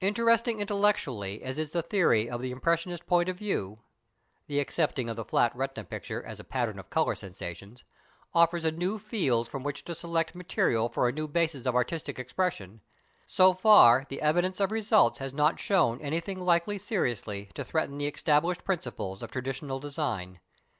Interesting intellectually as is the theory that the impressionist point of view (the accepting of the flat retina picture as a pattern of colour sensations) offers a new field from which to select material for a new basis of artistic expression, so far the evidence of results has not shown anything likely seriously to threaten the established principles of traditional design.